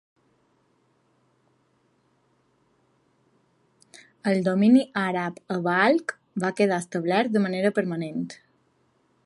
El domini àrab a Balkh va quedar establert de manera permanent.